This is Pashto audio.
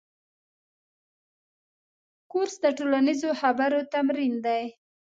کورس د ټولنیزو خبرو تمرین دی.